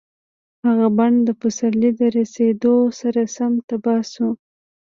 هغه بڼ د پسرلي د رسېدو سره سم تباه شو.